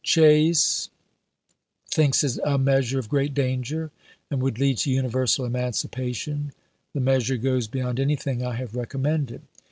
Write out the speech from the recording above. Chase Thinks it a measure of great danger, and would lead to universal emancipation The measure goes beyond anything I have recommended.